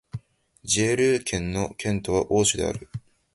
ジェール県の県都はオーシュである